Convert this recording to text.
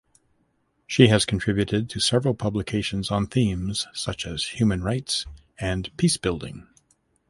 She has contributed to several publications on themes such as human rights and peacebuilding.